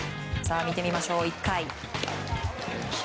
見てみましょう、１回。